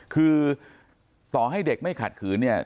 คือต่อให้เด็กไม่ขัดขืนเนี่ย